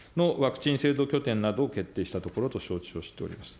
ワクチン制度拠点などを決定したところと承知をしております。